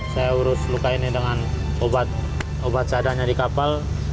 saya urus luka ini dengan obat seadanya di kapal